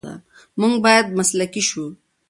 موږ باید مسلکي شو.